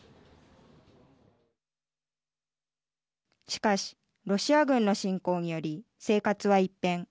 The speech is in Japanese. しかし、ロシア軍の侵攻により生活は一変。